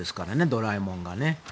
「ドラえもん」がね。